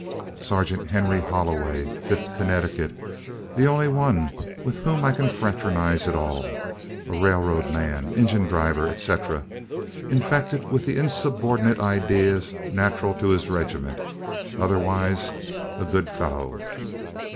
Sergeant Henry Holloway, Fifth Connecticut: the only one with whom I can fraternize at all; a railroad man, engine driver, etc., infected with the insubordinate ideas natural to his regiment; otherwise, a good fellow.